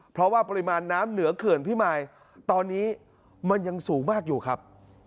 เพราะว่าปริมาณน้ำเหนือเขื่อนพิมายตอนนี้มันยังสูงมากอยู่ครับ